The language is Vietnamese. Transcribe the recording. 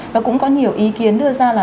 và cũng có nhiều ý kiến đưa ra là